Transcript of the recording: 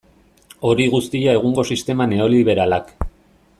Hori guztia egungo sistema neoliberalak.